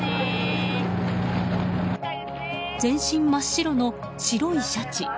全身真っ白の、白いシャチ。